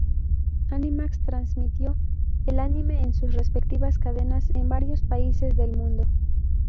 Animax transmitió el anime en sus respectivas cadenas en varios países del mundo.